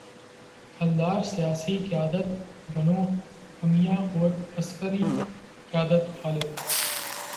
الدار، سیاسی قیادت بنو امیہ اور عسکری قیادت خالد